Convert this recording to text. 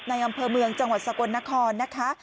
อำเภอเมืองจังหวัดสกลนครนะคะ